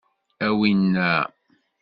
A winna!